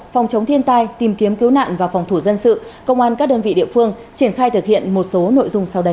phòng chống thiên tai tìm kiếm cứu nạn và phòng thủ dân sự công an các đơn vị địa phương triển khai thực hiện một số nội dung sau đây